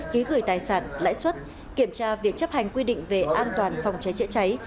ký gửi tài sản lãi suất kiểm tra việc chấp hành quy định về an toàn phòng cháy chữa cháy